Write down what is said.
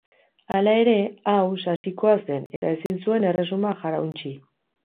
Hala ere, hau sasikoa zen eta ezin zuen erresuma jarauntsi.